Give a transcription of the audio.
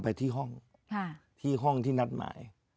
ไปที่ห้องที่นัดหมาย